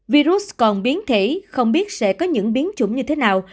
virus còn biến thể không biết sẽ có những biến chủng như thế nào